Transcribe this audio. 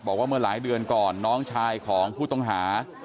บอกว่าเมื่อหลายเดือนก่อนน้องชายของผู้ต้องหา